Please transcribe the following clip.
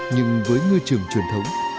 nhưng với ngư trường truyền thống